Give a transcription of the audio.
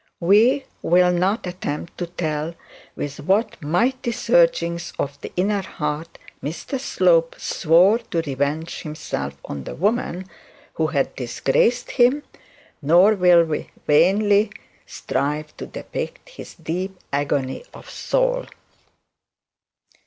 We will not attempt to tell with what mighty surging of the inner heart Mr Slope swore to revenge himself on the woman who had disgraced him, nor will we vainly strive to depict the deep agony of his soul.